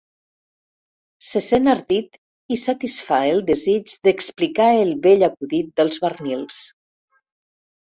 Se sent ardit i satisfà el desig d'explicar el vell acudit del Barnils.